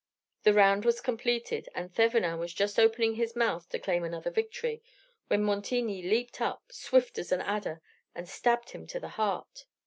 The round was completed, and Thevenin was just opening his mouth to claim another victory, when Montigny leaped up, swift as an adder, and stabbed him to the heart.